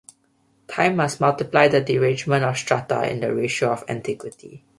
Time must multiply the derangement of strata, in the ratio of antiquity.